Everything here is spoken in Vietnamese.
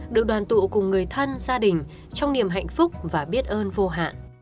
được đoàn tụ cùng người thân gia đình trong niềm hạnh phúc và biết ơn vô hạn